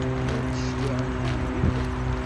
Ur d-cliɛent ara yakk.